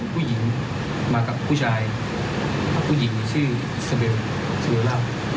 ผู้หญิงมากับผู้ชายผู้หญิงชื่อสเบลเซเวลล่า